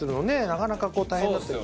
なかなかこう大変だったり。